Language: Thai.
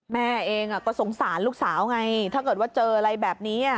แม่เองก็สงสารลูกสาวไงถ้าเกิดว่าเจออะไรแบบนี้